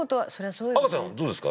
阿川さんはどうですか？